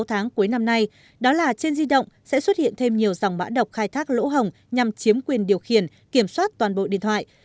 sáu tháng cuối năm nay đó là trên di động sẽ xuất hiện thêm nhiều dòng mã độc khai thác lỗ hồng nhằm chiếm quyền điều khiển kiểm soát toàn bộ điện thoại